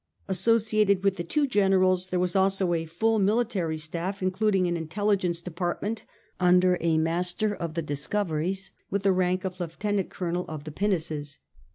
Associated with the two generals there was also a full military staff*, including an intelligence department under a " master of the discoveries " with the rank of "lieutenant colonel of the pinnaces."